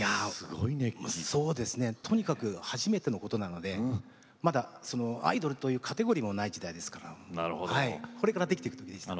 とにかく初めてのことなのでアイドルというカテゴリーもない時代ですからこれからできてくるときですね。